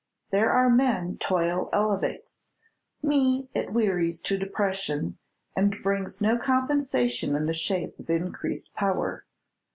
There are men toil elevates, me it wearies to depression, and brings no compensation in the shape of increased power.